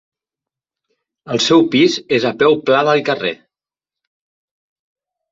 El seu pis és a peu pla del carrer.